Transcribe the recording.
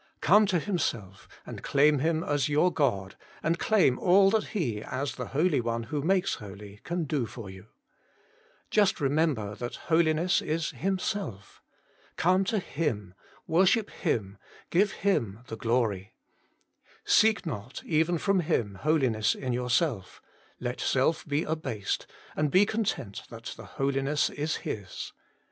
Come to Himself and claim Him as your God, and claim all that He, as the Holy One who makes holy, can do for you. Just remember that Holiness is Himself. Come to Him ; worship Him ; give Him the glory. Seek not, even from Him, holiness in yourself ; let self be abased, and be content that the Holiness is His.